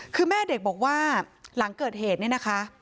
คือแม่เด็กบอกว่าหลังเกิดเหตุเนี่ยนะคะ